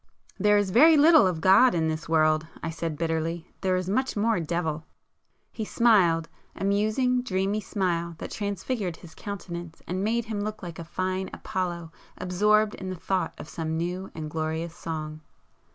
"There is very little of God in this world"—I said bitterly; "There is much more Devil!" He smiled,—a musing, dreamy smile that transfigured his countenance and made him look like a fine Apollo absorbed in the thought of some new and glorious song.